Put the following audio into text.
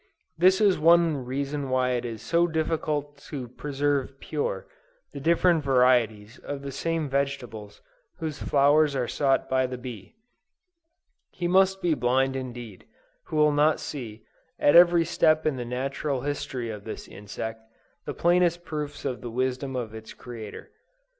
This is one reason why it is so difficult to preserve pure, the different varieties of the same vegetables whose flowers are sought by the bee. He must be blind indeed, who will not see, at every step in the natural history of this insect, the plainest proofs of the wisdom of its Creator.